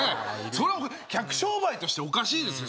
それは客商売としておかしいですよ